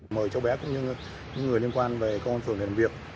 mời cháu bé cũng như những người liên quan về công an phường làm việc